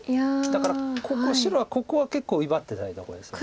だから白はここは結構威張ってたいとこですよね。